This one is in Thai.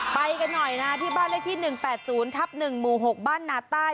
ไปกันหน่อยนะที่บ้านเลขที่๑๘๐ทับ๑หมู่๖บ้านนาใต้